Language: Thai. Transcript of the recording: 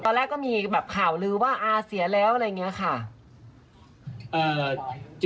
ต่อไปก็กลับข่าวลือบ่าเสียแล้วอะไรอย่างนี้ค่ะ